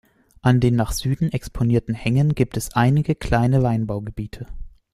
An den nach Süden exponierten Hängen gibt es einige kleine Weinbaugebiete.